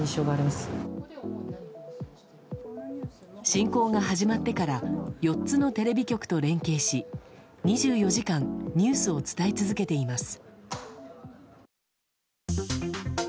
侵攻が始まってから４つのテレビ局と連携し２４時間ニュースを伝え続けています。